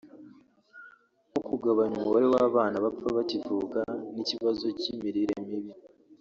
nko kugabanya umubare w’abana bapfa bakivuka n’ikibazo k’imirire mibi